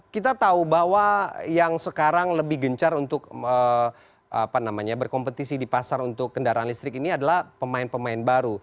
kita tahu bahwa yang sekarang lebih gencar untuk berkompetisi di pasar untuk kendaraan listrik ini adalah pemain pemain baru